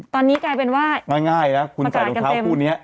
ตอนนี้กลายเป็นว่าง่ายง่ายแล้วคุณใส่รูปเท้าคู่เนี้ย